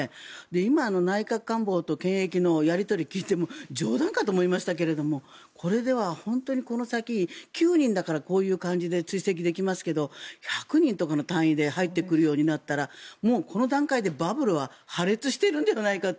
今、内閣官房と検疫のやり取りを聞いても冗談かと思いましたがこれではこの先、９人だからこういう感じで追跡できますけど１００人とかの単位で入ってくるようになったらもうこの段階でバブルは破裂してるんじゃないかと